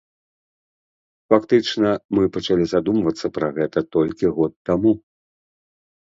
Фактычна, мы пачалі задумвацца пра гэта толькі год таму!